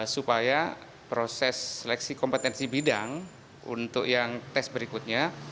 supaya proses seleksi kompetensi bidang untuk yang tes berikutnya